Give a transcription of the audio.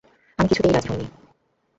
আমি কিছুতেই রাজি হই নি।